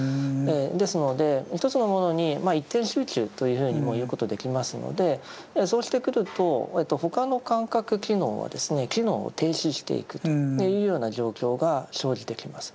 ですので一つのものにまあ一点集中というふうにも言うことできますのでそうしてくると他の感覚機能は機能を停止していくというような状況が生じてきます。